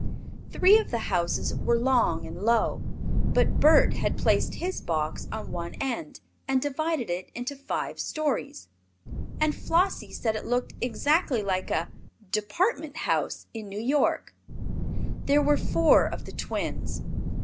Three of the houses were long and low, but Bert had placed his box on one end and divided it into five stories, and Flossie said it looked exactly like a "department" house in New York. There were four of the twins.